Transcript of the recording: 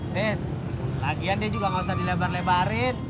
des lagian dia juga nggak usah dilebar lebarin